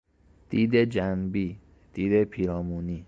دید جنبی، دید پیرامونی